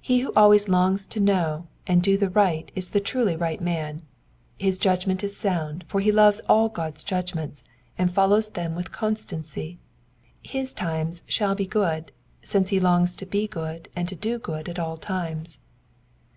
He who always longs to know and do the right is the truly right man. His judgment is sound, for he loves all God^s judgments, and follows them with constancy. His times shall be good, since he longs to be good and to do good at all times.